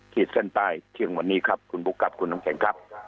ขีดเส้นใต้เที่ยงวันนี้ครับคุณบุ๊คครับคุณน้ำแข็งครับ